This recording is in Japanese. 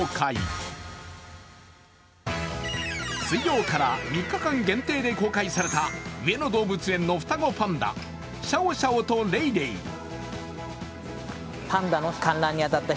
水曜から３日間限定で公開された上野動物園の双子パンダシャオシャオとレイレイ。